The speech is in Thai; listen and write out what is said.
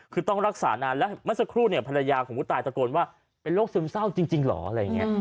คือต้องรักษานานแล้วเมื่อสักครู่เนี่ยภรรยาของผู้ตายตะโกนว่าเป็นโรคซึมเศร้าจริงเหรออะไรอย่างนี้